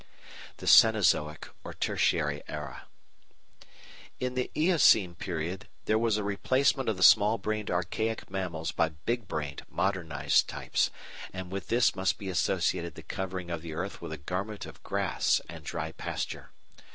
§ 2 The Cenozoic or Tertiary Era In the Eocene period there was a replacement of the small brained archaic mammals by big brained modernised types, and with this must be associated the covering of the earth with a garment of grass and dry pasture.